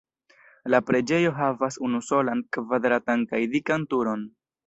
La preĝejo havas unusolan kvadratan kaj dikan turon.